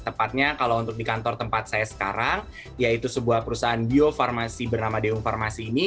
tepatnya kalau untuk di kantor tempat saya sekarang yaitu sebuah perusahaan bio farmasi bernama deung farmasi ini